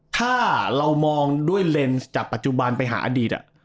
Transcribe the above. ถ้าเรามองด้วยเลนส์จากปัจจุบันไปหาอดีต